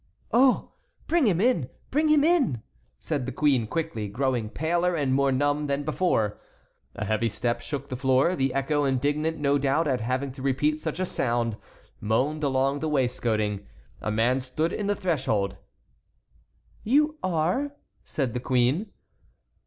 "Oh! bring him in, bring him in!" said the queen quickly, growing paler and more numb than before. A heavy step shook the floor. The echo, indignant, no doubt, at having to repeat such a sound, moaned along the wainscoting. A man stood on the threshold. "You are"—said the queen.